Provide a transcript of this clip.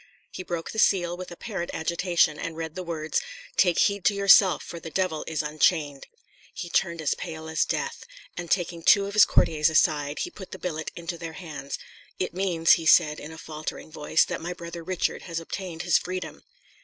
He broke the seal with apparent agitation, and read the words, "Take heed to yourself, for the devil is unchained." He turned as pale as death; and taking two of his courtiers aside, he put the billet into their hands. "It means," he said in a faltering voice, "that my brother Richard has obtained his freedom."